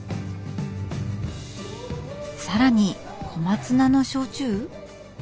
更に小松菜の焼酎？